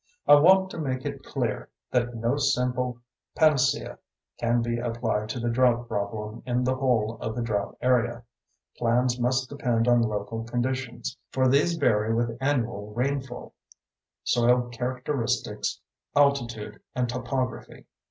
I want to make it clear that no simple panacea can be applied to the drought problem in the whole of the drought area. Plans must depend on local conditions, for these vary with annual rainfall, soil characteristics, altitude and topography.